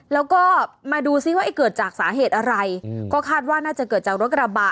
แล้วก็มาดูซิว่าเกิดจากสาเหตุอะไรก็คาดว่าน่าจะเกิดจากรถกระบะ